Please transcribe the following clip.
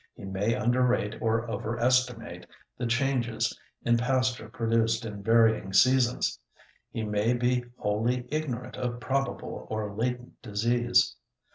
He may under rate or over estimate the changes in pasture produced in varying seasons. He may be wholly ignorant of probable or latent disease.